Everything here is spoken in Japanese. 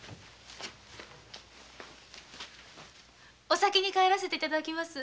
お先に帰らせて頂きます。